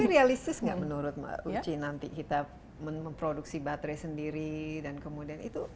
tapi realistis nggak menurut mbak uci nanti kita memproduksi baterai sendiri dan kemudian itu